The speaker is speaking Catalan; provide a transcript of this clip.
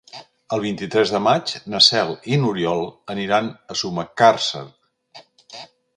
El vint-i-tres de maig na Cel i n'Oriol aniran a Sumacàrcer.